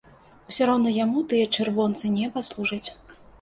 Усё роўна яму тыя чырвонцы не паслужаць.